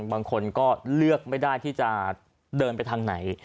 บางคนก็เลือกไม่ได้ที่จะเดินไปทางไหน